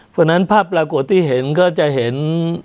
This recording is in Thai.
เพราะฉะนั้นภาพปรากฏที่เห็นก็จะเห็น